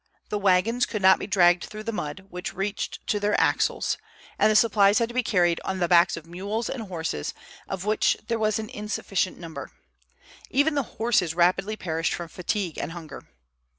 The wagons could not be dragged through the mud, which reached to their axles, and the supplies had to be carried on the backs of mules and horses, of which there was an insufficient number. Even the horses rapidly perished from fatigue and hunger.